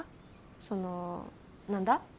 その何だ？